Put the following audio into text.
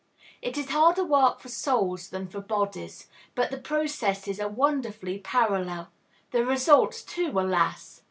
It is harder work for souls than for bodies; but the processes are wonderfully parallel, the results too, alas!